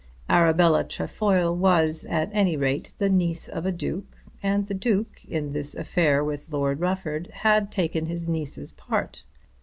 Arabella Trefoil was at any rate the niece of a Duke, and the Duke, in this affair with Lord Rufford, had taken his niece's part.